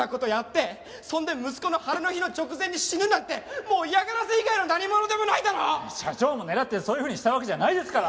そんで息子の晴れの日の直前に死ぬなんてもう嫌がらせ以外の何ものでもないだろ！社長も狙ってそういうふうにしたわけじゃないですから。